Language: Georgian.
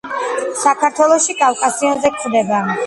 საქართველოში კავკასიონზე გვხვდება.